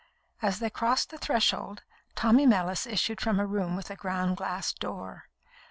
As they crossed the threshold, Tommy Mellis issued from a room with a ground glass door.